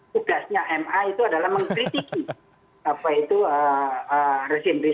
tugasnya ma itu adalah mengkritisi